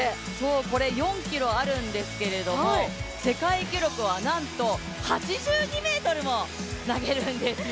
これ、４ｋｇあるんですけれども、世界記録はなんと８２ｍも投げるんですよ。